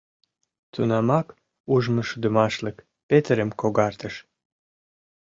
Тунамак ужмышудымашлык Петерым когартыш.